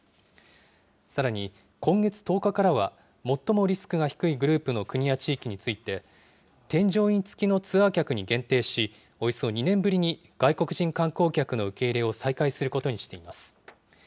さらに、今月１０日からは、最もリスクが低いグループの国や地域について、添乗員付きのツアー客に限定し、およそ２年ぶりに外国人観光客の受け入れを再開することにしています。